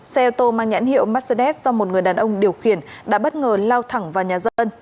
xe ô tô mang nhãn hiệu mercedes do một người đàn ông điều khiển đã bất ngờ lao thẳng vào nhà dân